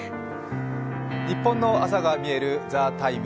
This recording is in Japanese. ニッポンの朝がみえる「ＴＨＥＴＩＭＥ，」。